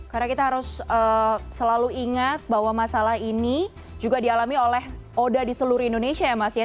karena kita harus selalu ingat bahwa masalah ini juga dialami oleh oda di seluruh indonesia ya mas ya